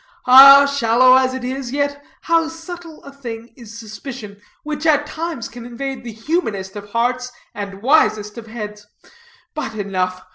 Ah, shallow as it is, yet, how subtle a thing is suspicion, which at times can invade the humanest of hearts and wisest of heads. But, enough.